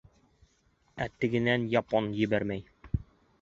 Ә тегенән япон ебәрмәй.